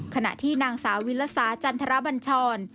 ขณะที่นางสาววิลสาจันทรบัญชร